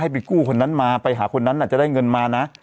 ไปกู้คนนั้นมาไปหาคนนั้นอาจจะได้เงินมานะ